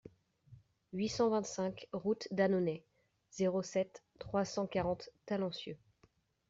huit cent vingt-cinq route d'Annonay, zéro sept, trois cent quarante Talencieux